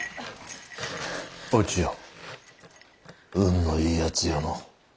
お千代運のいい奴よの。